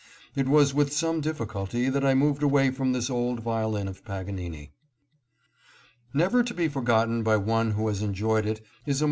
It was with some difficulty that I moved away from this old violin of Paginini. Never to be forgotten by one who has enjoyed it is a PISA AND ITS LEANING TOWER.